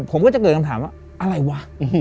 ผมก็จะเกิดคำถามว่าอะไรวะ